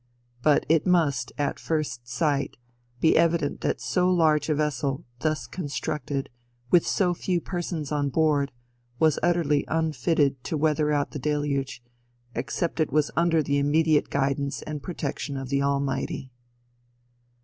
But it must, at first sight, be evident that so large a vessel, thus constructed, with so few persons on board, was utterly unfitted to weather out the deluge, except it was under the immediate guidance and protection of the Almighty."